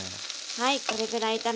はい。